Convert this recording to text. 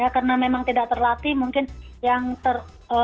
karena memang tidak terlatih mungkin yang ter